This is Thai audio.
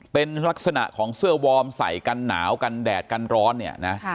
เป็นลักษณะของเสื้อวอร์มใส่กันหนาวกันแดดกันร้อนเนี่ยนะ